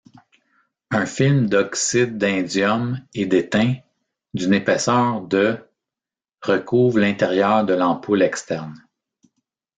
Un film d'oxyde d'indium et d'étain, d'une épaisseur de recouvre l'intérieur de l'ampoule externe.